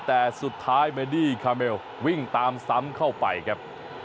แต่สุดท้ายเบดี้คาเมลวิ่งตามซ้ำเข้าไปครับ